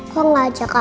kok gak ajak aku ma